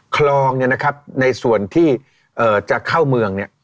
คลองเนี่ยนะครับในส่วนที่จะเข้าเมืองเนี่ย